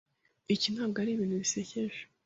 Iki ntabwo ari ibintu bisekeje.